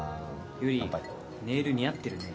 ・ゆりネイル似合ってるね。